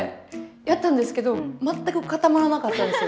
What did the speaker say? やったんですけど全く固まらなかったんですよ。